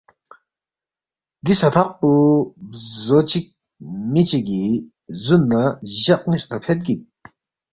دی سہ تھق پو بزو چک می چگی زون نہ جق نیس نہ فید گیگ۔